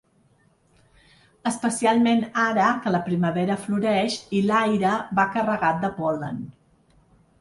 Especialment ara, que la primavera floreix i l’aire va carregat de pol·len.